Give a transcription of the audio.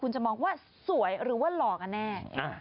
คุณจะมองว่าสวยหรือว่าหล่อกันแน่